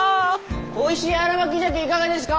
おいしい新巻鮭いかがですか！